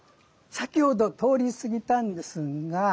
先ほど通り過ぎたんですが。